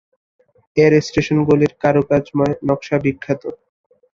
এর স্টেশনগুলির কারুকাজময় নকশা বিখ্যাত।